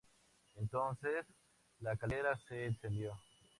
Entonces, la caldera se encendió.